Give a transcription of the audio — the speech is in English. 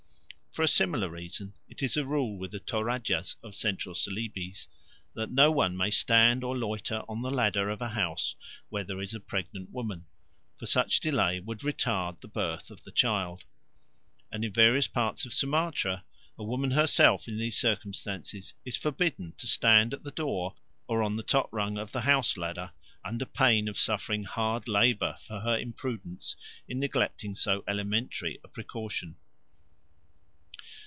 For a similar reason it is a rule with the Toradjas of Central Celebes that no one may stand or loiter on the ladder of a house where there is a pregnant woman, for such delay would retard the birth of the child; and in various parts of Sumatra the woman herself in these circumstances is forbidden to stand at the door or on the top rung of the house ladder under pain of suffering hard labour for her imprudence in neglecting so elementary a precaution.